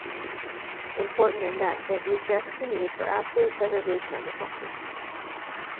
Important in that it rejects the need for absolute segregation of the sexes.